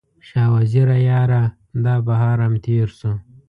شاه وزیره یاره، دا بهار هم تیر شو